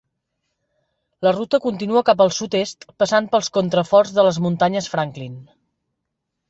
La ruta continua cap al sud-est passant pels contraforts de les Muntanyes Franklin.